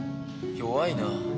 弱いな。